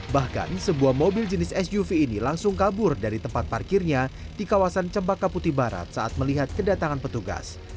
bahkan sebuah mobil jenis suv ini langsung kabur dari tempat parkirnya di kawasan cempaka putih barat saat melihat kedatangan petugas